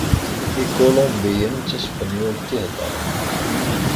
Ikulumbiyen d taspenyult i heddren.